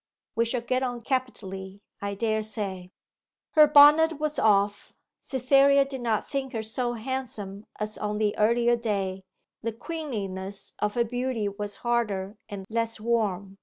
We shall get on capitally, I dare say.' Her bonnet was off. Cytherea did not think her so handsome as on the earlier day; the queenliness of her beauty was harder and less warm.